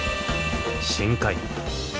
深海。